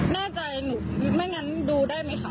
แน่ใจหนูไม่งั้นดูได้ไหมคะ